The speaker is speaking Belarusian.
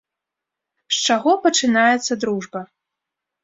З чаго пачынаецца дружба?